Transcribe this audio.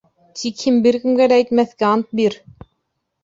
Тик һин бер кемгә лә әйтмәҫкә ант бир!